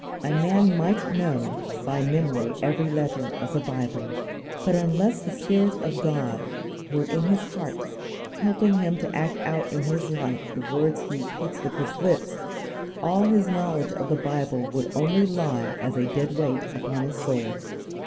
A man might know by memory every letter of the Bible, but unless the Spirit of God were in his heart, helping him to act out in his life the words he repeats with his lips, all his knowledge of the Bible would only lie as a dead weight upon his soul.